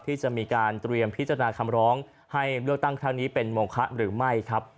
ที่จะมีการเตรียมพิจารณาคำร้องให้เลือกตั้งครั้งนี้เป็นโมคะหรือไม่ครับ